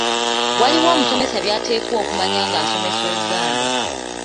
Waliwo omusomesa by’ateekwa okumanya ng’asomesa Oluganda.